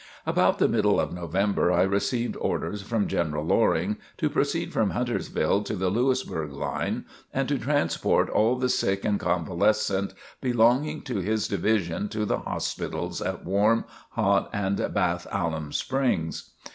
About the middle of November I received orders from General Loring to proceed from Huntersville to the Lewisburg line and to transport all the sick and convalescent belonging to his division to the hospitals at Warm, Hot and Bath Alum Springs.